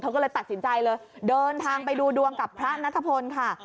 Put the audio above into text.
ก็เลยตัดสินใจเลยเดินทางไปดูดวงกับพระนัทพลค่ะ